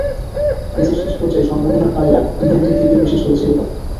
ম্যাচের শেষ পর্যায়ে সম্ভাবনার পাল্লা ইংল্যান্ডের দিকেই বেশি ঝুলে ছিল তখন।